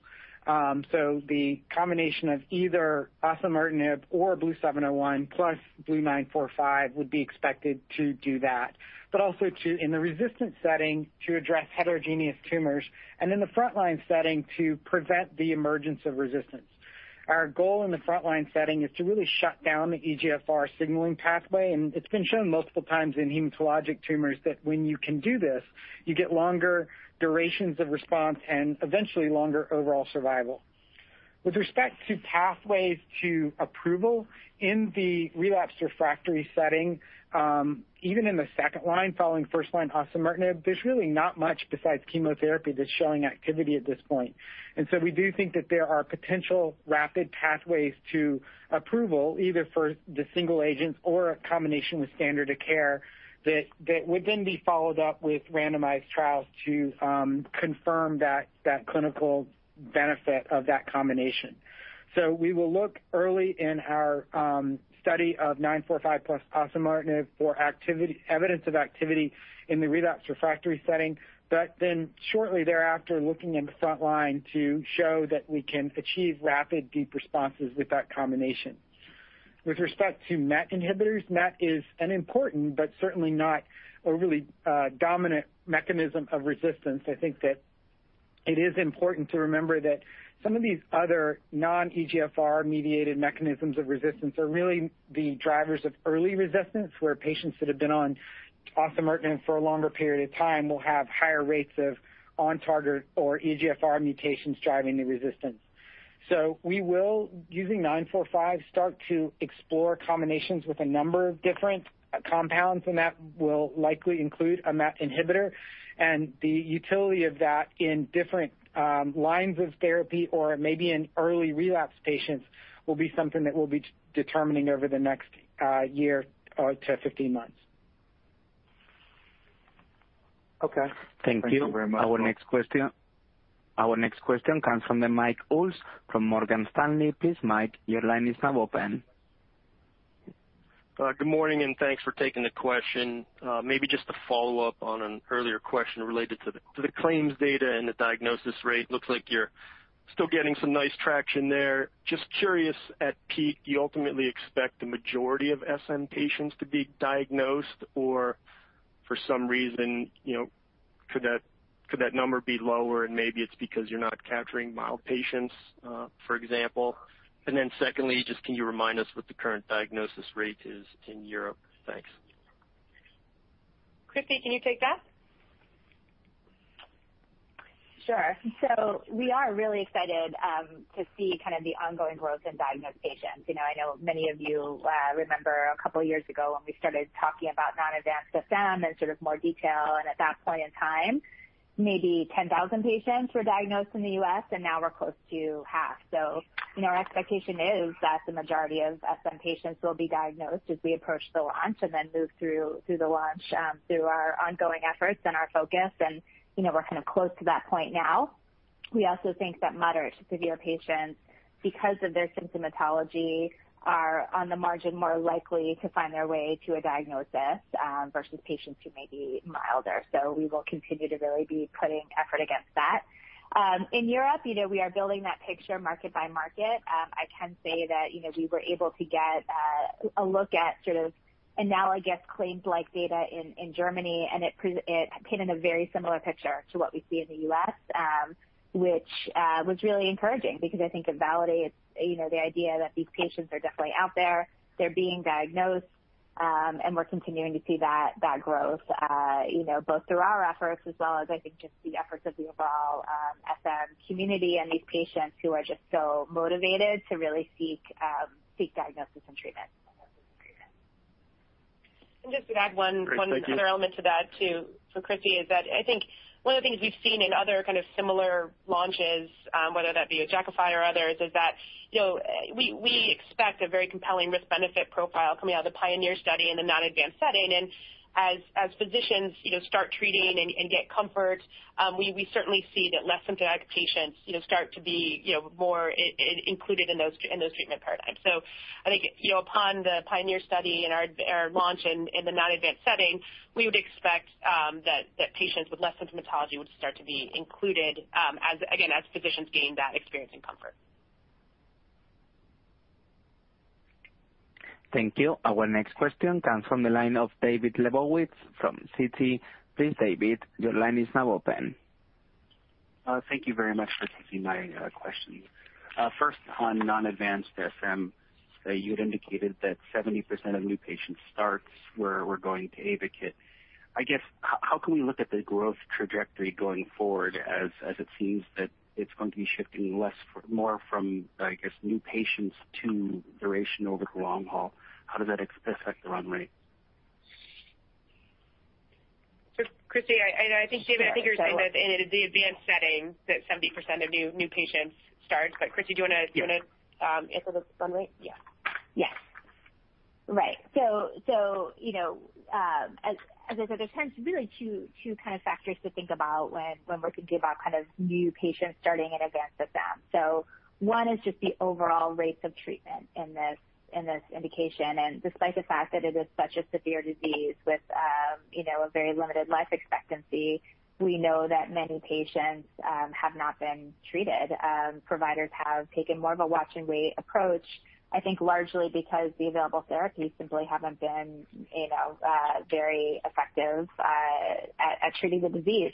The combination of either osimertinib or BLU-701 plus BLU-945 would be expected to do that, but also to, in the resistant setting, to address heterogeneous tumors, and in the frontline setting, to prevent the emergence of resistance. Our goal in the frontline setting is to really shut down the EGFR signaling pathway, and it's been shown multiple times in hematologic tumors that when you can do this, you get longer durations of response and eventually longer overall survival. With respect to pathways to approval in the relapsed refractory setting, even in the second line following first-line osimertinib, there's really not much besides chemotherapy that's showing activity at this point. We do think that there are potential rapid pathways to approval, either for the single agent or a combination with standard of care, that would then be followed up with randomized trials to confirm that clinical benefit of that combination. We will look early in our study of BLU-945 plus osimertinib for evidence of activity in the relapsed refractory setting, but then shortly thereafter, looking in the frontline to show that we can achieve rapid deep responses with that combination. With respect to MET inhibitors, MET is an important but certainly not overly dominant mechanism of resistance. I think that it is important to remember that some of these other non-EGFR mediated mechanisms of resistance are really the drivers of early resistance, where patients that have been on osimertinib for a longer period of time will have higher rates of on-target or EGFR mutations driving the resistance. We will, using BLU-945, start to explore combinations with a number of different compounds, and that will likely include a MET inhibitor, and the utility of that in different lines of therapy or maybe in early relapse patients will be something that we'll be determining over the next year to 15 months. Okay. Thank you very much. Thank you. Our next question comes from Michael Ulz from Morgan Stanley. Please, Mike, your line is now open. Good morning, and thanks for taking the question. Maybe just to follow up on an earlier question related to the claims data and the diagnosis rate. Looks like you're still getting some nice traction there. Just curious, at peak, do you ultimately expect the majority of SM patients to be diagnosed? Or for some reason, you know, could that number be lower? And maybe it's because you're not capturing mild patients, for example. Secondly, just can you remind us what the current diagnosis rate is in Europe? Thanks. Christi, can you take that? Sure. We are really excited to see kind of the ongoing growth in diagnosed patients. I know many of you remember a couple years ago when we started talking about non-advanced SM in sort of more detail, and at that point in time, maybe 10,000 patients were diagnosed in the U.S., and now we're close to half. Our expectation is that the majority of SM patients will be diagnosed as we approach the launch and then move through the launch through our ongoing efforts and our focus. And you know, we're kind of close to that point now. We also think that moderate to severe patients, because of their symptomatology, are on the margin, more likely to find their way to a diagnosis versus patients who may be milder. We will continue to really be putting effort against that. In Europe, you know, we are building that picture market by market. I can say that, we were able to get a look at sort of analogized claims like data in Germany, and it painted a very similar picture to what we see in the U.S., which was really encouraging because I think it validates, the idea that these patients are definitely out there, they're being diagnosed, and we're continuing to see that growth, you know, both through our efforts as well as I think just the efforts of the overall SM community and these patients who are just so motivated to really seek diagnosis and treatment. Just to add one Great. Thank you. One other element to that, too, so Christi, is that I think one of the things we've seen in other kind of similar launches, whether that be Jakafi or others, is that, you know, we expect a very compelling risk-benefit profile coming out of the PIONEER study in the non-advanced setting. As physicians, you know, start treating and get comfort, we certainly see that less symptomatic patients, you know, start to be, you know, more included in those treatment paradigms. I think, you know, upon the PIONEER study and our launch in the non-advanced setting, we would expect that patients with less symptomatology would start to be included, as again, as physicians gain that experience and comfort. Thank you. Our next question comes from the line of David Lebowitz from Citi. Please, David, your line is now open. Thank you very much for taking my question. First, on non-advanced SM, you had indicated that 70% of new patients starts were going to AYVAKIT. I guess, how can we look at the growth trajectory going forward as it seems that it's going to be shifting more from, I guess, new patients to duration over the long haul? How does that affect the run rate? Just Christi, I think, David, I think you're saying that in the advanced setting that 70% of new patients start. Christi, do you wanna- Yeah. Do you wanna answer the run rate? Yeah. Yes. Right. You know, as I said, there's kind of really two kind of factors to think about when we're thinking about kind of new patients starting an advanced SM. One is just the overall rates of treatment in this indication. Despite the fact that it is such a severe disease with, you know, a very limited life expectancy, we know that many patients have not been treated. Providers have taken more of a watch and wait approach, I think largely because the available therapies simply haven't been, you know, very effective at treating the disease.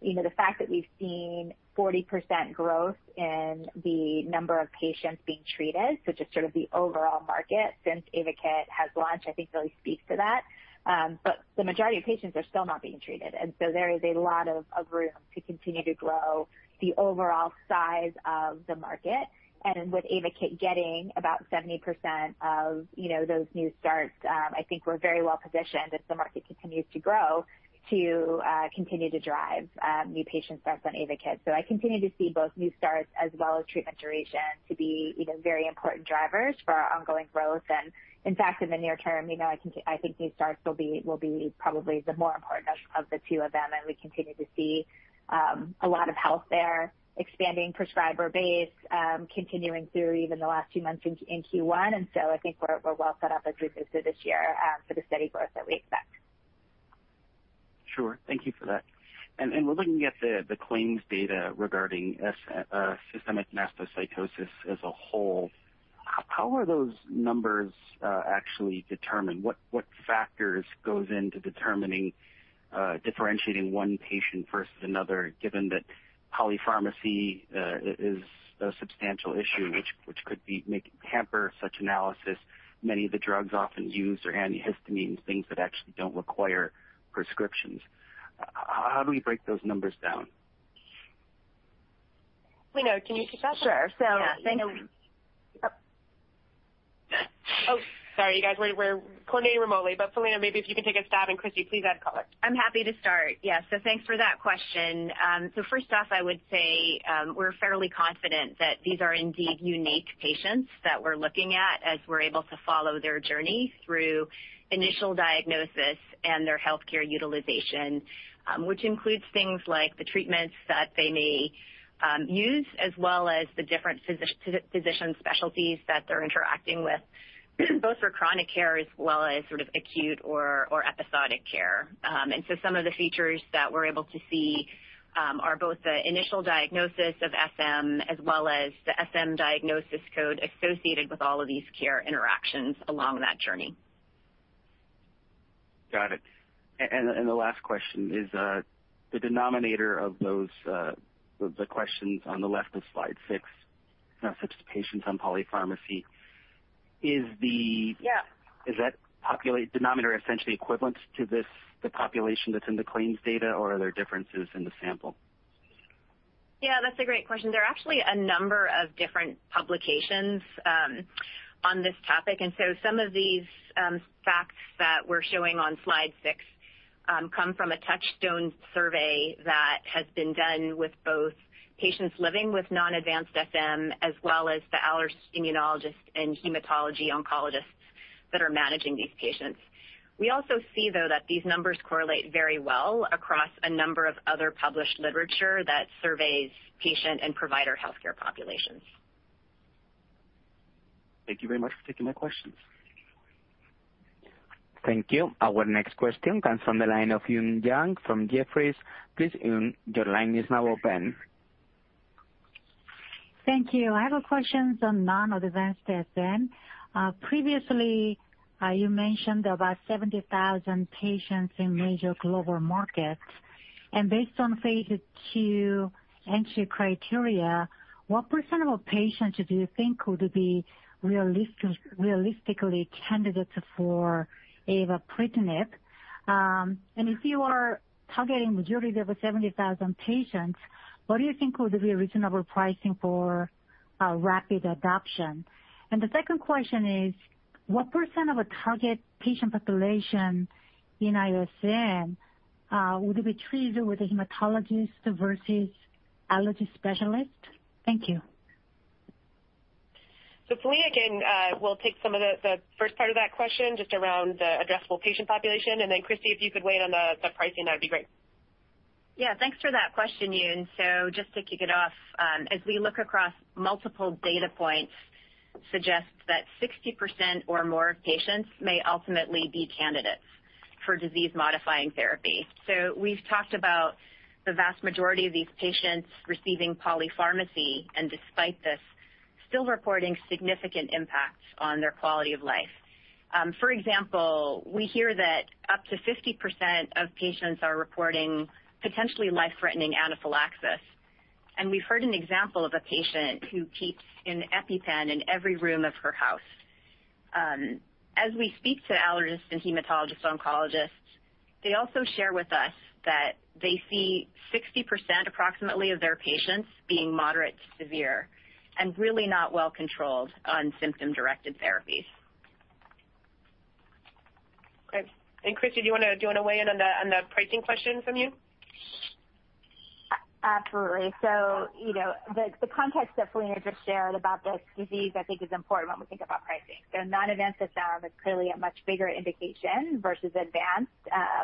You know, the fact that we've seen 40% growth in the number of patients being treated, so just sort of the overall market since AYVAKIT has launched, I think really speaks to that. The majority of patients are still not being treated, and so there is a lot of room to continue to grow the overall size of the market. With AYVAKIT getting about 70% of, those new starts, I think we're very well positioned as the market continues to grow to continue to drive new patient starts on AYVAKIT. I continue to see both new starts as well as treatment duration to be, you know, very important drivers for our ongoing growth. In fact, in the near term, you know, I think new starts will be probably the more important of the two of them. We continue to see a lot of health there, expanding prescriber base, continuing through even the last two months in Q1. I think we're well set up as we move through this year for the steady growth that we expect. Sure. Thank you for that. We're looking at the claims data regarding systemic mastocytosis as a whole. How are those numbers actually determined? What factors goes into determining differentiating one patient versus another, given that polypharmacy is a substantial issue which could hamper such analysis. Many of the drugs often used are antihistamine, things that actually don't require prescriptions. How do we break those numbers down? Philina, can you take that? Sure. Thank you. Sorry, you guys, we're coordinating remotely. Philina, maybe if you can take a stab, and Christina, please add color. I'm happy to start. Thanks for that question. First off, I would say, we're fairly confident that these are indeed unique patients that we're looking at as we're able to follow their journey through initial diagnosis and their healthcare utilization, which includes things like the treatments that they may use, as well as the different physician specialties that they're interacting with, both for chronic care as well as sort of acute or episodic care. Some of the features that we're able to see are both the initial diagnosis of SM as well as the SM diagnosis code associated with all of these care interactions along that journey. Got it. The last question is the denominator of those, the questions on the left of slide 6, you know, such patients on polypharmacy, is the- Yeah. Is that population denominator essentially equivalent to this, the population that's in the claims data, or are there differences in the sample? Yeah, that's a great question. There are actually a number of different publications on this topic. Some of these facts that we're showing on slide six come from a Touchstone survey that has been done with both patients living with non-advanced SM as well as the allergist immunologists and hematology oncologists that are managing these patients. We also see, though, that these numbers correlate very well across a number of other published literature that surveys patient and provider healthcare populations. Thank you very much for taking my questions. Thank you. Our next question comes from the line of Yun Zhong from Jefferies. Please, Yun, your line is now open. Thank you. I have a question on non-advanced SM. Previously, you mentioned about 70,000 patients in major global markets. Based on phase two entry criteria, what % of patients do you think could be realistically candidates for avapritinib? If you are targeting majority of the 70,000 patients, what do you think would be a reasonable pricing for a rapid adoption? The second question is, what % of a target patient population in ISM would be treated with a hematologist versus allergy specialist? Thank you. Philina again will take some of the first part of that question just around the addressable patient population. Then Christina, if you could weigh in on the pricing, that would be great. Yeah. Thanks for that question, Yun. Just to kick it off, as we look across multiple data points suggests that 60% or more of patients may ultimately be candidates for disease-modifying therapy. We've talked about the vast majority of these patients receiving polypharmacy and despite this, still reporting significant impacts on their quality of life. For example, we hear that up to 50% of patients are reporting potentially life-threatening anaphylaxis. We've heard an example of a patient who keeps an EpiPen in every room of her house. As we speak to allergists and hematologist oncologists, they also share with us that they see 60% approximately of their patients being moderate to severe and really not well controlled on symptom-directed therapies. Great. Christi, do you wanna weigh in on the pricing question from Yun? Absolutely. The context that Philina just shared about this disease, I think is important when we think about pricing. Non-advanced SM is clearly a much bigger indication versus advanced.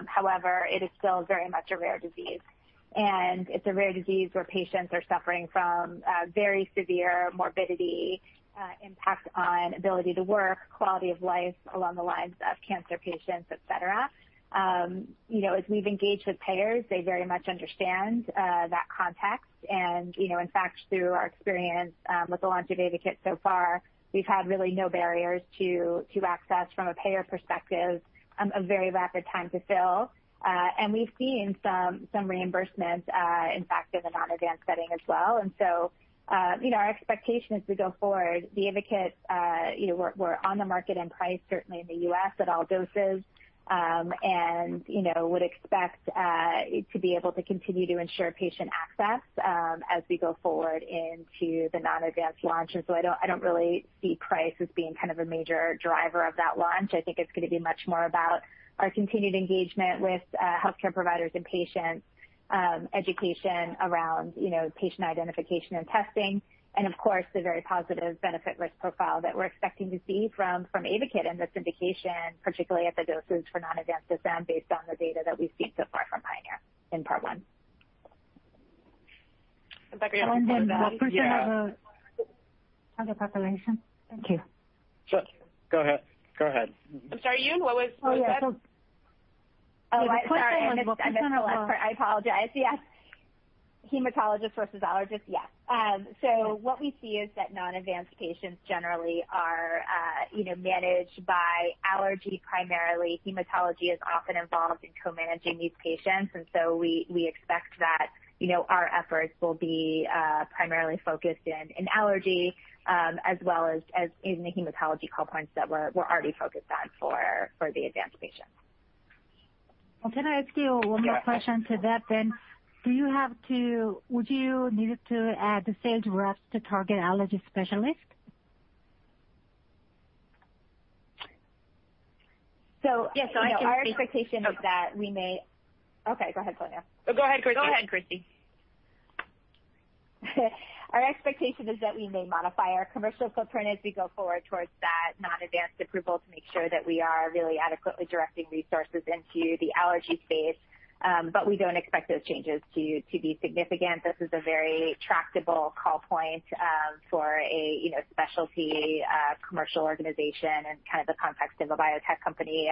However, it is still very much a rare disease. It is a rare disease where patients are suffering from very severe morbidity, impact on ability to work, quality of life along the lines of cancer patients, et cetera. You know, as we've engaged with payers, they very much understand that context. In fact, through our experience with the launch of AYVAKIT so far, we've had really no barriers to access from a payer perspective, a very rapid time to fill. We have seen some reimbursement, in fact, in the non-advanced setting as well. Our expectation as we go forward, the AYVAKIT, you know, we're on the market and priced certainly in the U.S. at all doses. You know, would expect to be able to continue to ensure patient access, as we go forward into the non-advanced launch. I don't really see price as being kind of a major driver of that launch. I think it's gonna be much more about our continued engagement with healthcare providers and patients, education around, you know, patient identification and testing. Of course, the very positive benefit-risk profile that we're expecting to see from AYVAKIT in this indication, particularly at the doses for non-advanced SM based on the data that we've seen so far from PIONEER in part one. Becker What % of the population? Thank you. Sure. Go ahead. Go ahead. I'm sorry, Yun, what was that? Oh, yeah. The question was what % of, I'm sorry. I missed the last part. I apologize. Yes. Hematologist versus allergist. Yes. What we see is that non-advanced patients generally are, you know, managed by allergists primarily. Hematology is often involved in co-managing these patients. We expect that, our efforts will be primarily focused in allergists as well as in the hematology call points that we're already focused on for the advanced patients. Can I ask you one more question to that then? Would you need to add the sales reps to target allergy specialists? Our expectation is that we may- Yes, I can speak. Okay. Okay, go ahead, Philina. Go ahead, Christi. Our expectation is that we may modify our commercial footprint as we go forward towards that non-advanced approval to make sure that we are really adequately directing resources into the allergy space. We don't expect those changes to be significant. This is a very tractable call point for a you know, specialty commercial organization in kind of the context of a biotech company.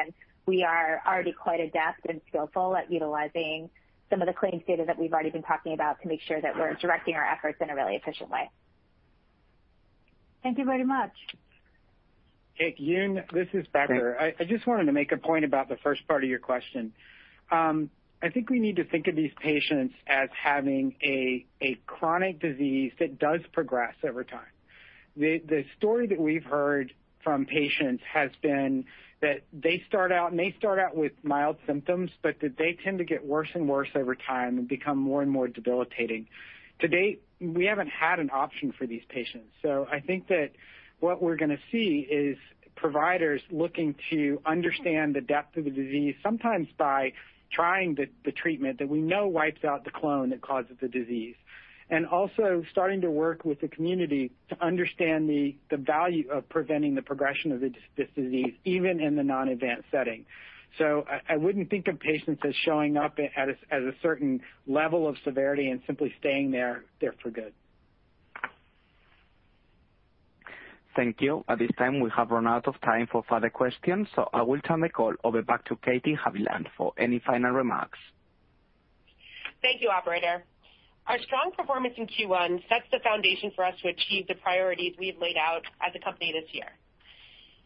We are already quite adept and skillful at utilizing some of the claims data that we've already been talking about to make sure that we're directing our efforts in a really efficient way. Thank you very much. Hey, Yun, this is Becker. I just wanted to make a point about the first part of your question. I think we need to think of these patients as having a chronic disease that does progress over time. The story that we've heard from patients has been that they start out with mild symptoms, but that they tend to get worse and worse over time and become more and more debilitating. To date, we haven't had an option for these patients. I think that what we're gonna see is providers looking to understand the depth of the disease, sometimes by trying the treatment that we know wipes out the clone that causes the disease. also starting to work with the community to understand the value of preventing the progression of this disease, even in the non-advanced setting. I wouldn't think of patients as showing up at a certain level of severity and simply staying there for good. Thank you. At this time, we have run out of time for further questions, so I will turn the call over back to Kate Haviland for any final remarks. Thank you, operator. Our strong performance in Q1 sets the foundation for us to achieve the priorities we've laid out as a company this year.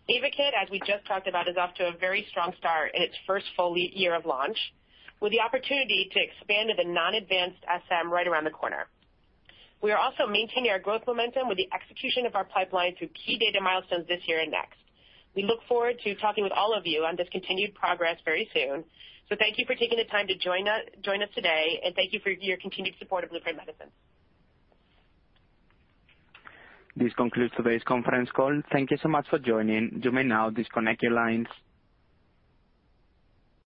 AYVAKIT, as we just talked about, is off to a very strong start in its first full year of launch, with the opportunity to expand to the non-advanced SM right around the corner. We are also maintaining our growth momentum with the execution of our pipeline through key data milestones this year and next. We look forward to talking with all of you on this continued progress very soon. Thank you for taking the time to join us today, and thank you for your continued support of Blueprint Medicines. This concludes today's conference call. Thank you so much for joining. You may now disconnect your lines.